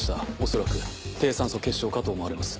恐らく低酸素血症かと思われます。